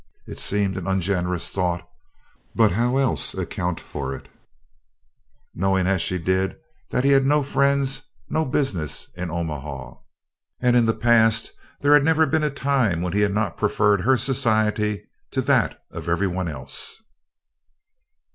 It seemed an ungenerous thought, but how else account for it, knowing as she did that he had no friends, no business in Omaha, and in the past there never had been a time when he had not preferred her society to that of everyone else?